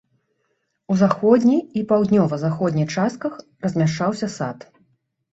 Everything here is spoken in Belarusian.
У заходняй і паўднёва-заходняй частках размяшчаўся сад.